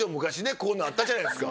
こんなんあったじゃないですか。